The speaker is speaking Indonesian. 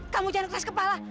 kamu jangan keras kepala